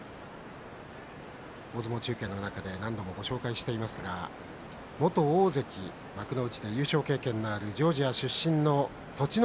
大相撲中継の中で何度もご紹介していますが元大関、幕内優勝の経験があるジョージア出身の栃ノ